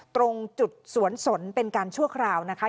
ตรงจุดสวนสนเป็นการชั่วคราวนะคะ